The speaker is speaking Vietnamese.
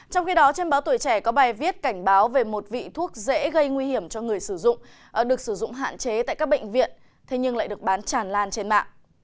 trong khi đó trên báo tuổi trẻ có bài viết cảnh báo về một vị thuốc dễ gây nguy hiểm cho người sử dụng được sử dụng hạn chế tại các bệnh viện thế nhưng lại được bán tràn lan trên mạng